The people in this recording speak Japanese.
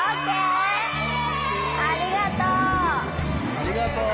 ありがとう。